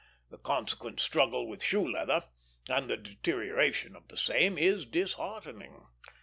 The consequent struggle with shoe leather, and the deterioration of the same, is disheartening.